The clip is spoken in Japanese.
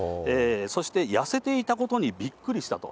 そして痩せていたことにびっくりしたと。